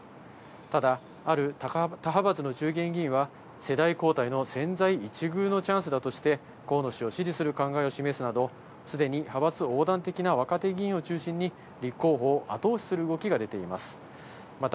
ただ、ある他派閥の中堅議員は、世代交代の千載一遇のチャンスだとして、河野氏を支持する考えを示すなど、すでに派閥横断的な若手議員を中心に、立候補を後押しする動きが出ています。